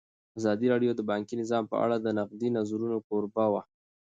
ازادي راډیو د بانکي نظام په اړه د نقدي نظرونو کوربه وه.